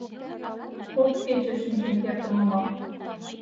Кок кече шинчын кертын омыл.